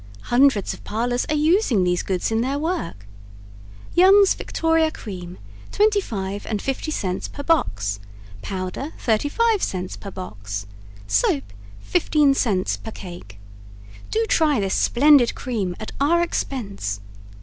Hundreds of parlors are using these goods in their work. Young's Victoria Cream, 25 and 50 cents per box; Powder, 35 cents per box; Soap, 15 cents per cake. Do try this splendid Cream at our expense.